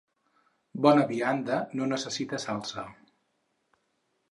Bona vianda no necessita salsa.